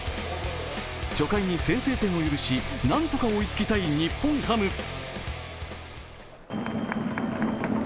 初回に先制点を許し、何とか追いつきたい日本ハム。